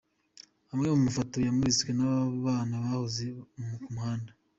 Amwe mu mafoto yamuritswe n'abo bana bahoze ku muhanda.